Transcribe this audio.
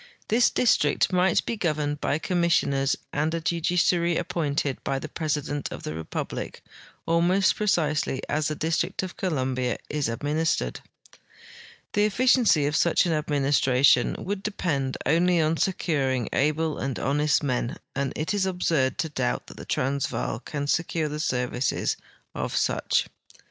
This district might be governed by commissioners and a judiciary appointed by the president of the republic, almost precisely as the District of Columbia is administered. The efficiency of such an administration would depend only on securing al^le and honest men, and it is absurd to doubt that the Transvaal can secure the services of such.